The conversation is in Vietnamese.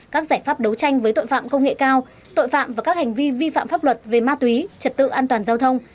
các giải pháp đấu tranh với tội phạm công nghệ cao tội phạm và các hành vi vi phạm pháp luật về ma túy trật tự an toàn giao thông